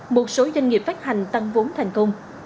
một số doanh nghiệp phát hành tăng vốn thành công